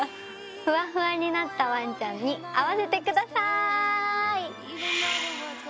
フワフワになったワンちゃんに会わせてください！